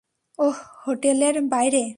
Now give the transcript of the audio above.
ওহ্, হোটেলের বাইরে!